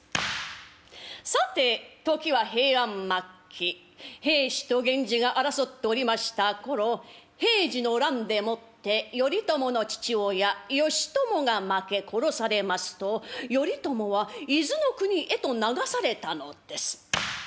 さて時は平安末期平氏と源氏が争っておりました頃平治の乱でもって頼朝の父親義朝が負け殺されますと頼朝は伊豆の国へと流されたのです。